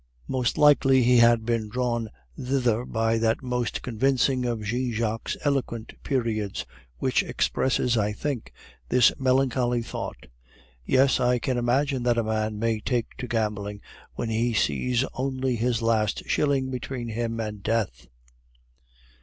Most likely he had been drawn thither by that most convincing of Jean Jacques' eloquent periods, which expresses, I think, this melancholy thought, "Yes, I can imagine that a man may take to gambling when he sees only his last shilling between him and death."